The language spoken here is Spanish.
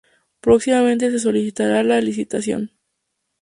Próximamente se solicitará la licitación.